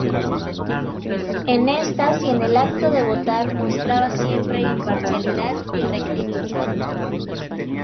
En estas y en el acto de votar mostraba siempre imparcialidad y rectitud.